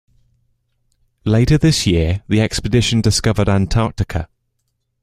Later this year the expedition discovered Antarctica.